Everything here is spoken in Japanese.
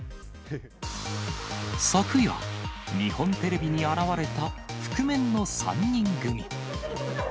昨夜、日本テレビに現れた覆面の３人組。